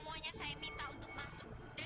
udah duduk aja